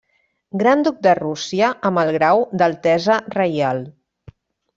Gran duc de Rússia amb el grau d'altesa reial.